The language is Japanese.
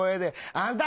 「あんた！